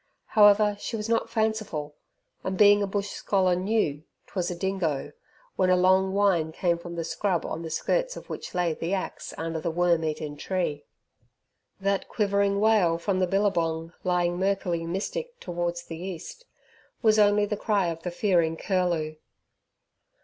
However, she was not fanciful, and being a bush scholar knew 'twas a dingo, when a long whine came from the scrub on the skirts of which lay the axe under the worm eaten tree. That quivering wail from the billabong lying murkily mystic towards the East was only the cry of the fearing curlew.